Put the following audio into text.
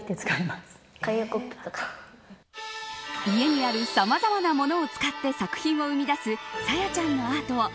家にあるさまざまな物を使って作品を生み出すＳＡＹＡちゃんのアート。